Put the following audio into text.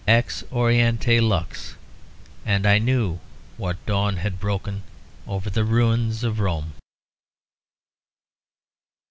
Ex oriente lux; and I knew what dawn had broken over the ruins of Rome.